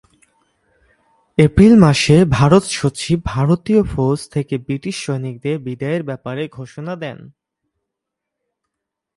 April মাসে ভারতসচিব ভারতীয় ফৌজ থেকে ব্রিটিশ সৈনিকদের বিদায়ের ব্যাপারে ঘোষণা দেন।